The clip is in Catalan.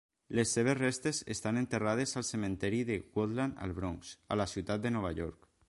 Les seves restes estan enterrades al cementiri de Woodlawn al Bronx, a la ciutat de Nova York.